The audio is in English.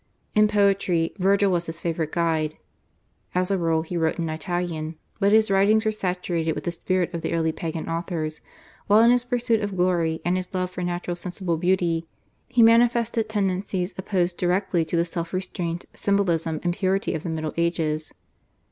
In poetry, Virgil was his favourite guide. As a rule he wrote in Italian, but his writings were saturated with the spirit of the early Pagan authors; while in his pursuit of glory and his love for natural, sensible beauty, he manifested tendencies opposed directly to the self restraint, symbolism, and purity of the Middle Ages.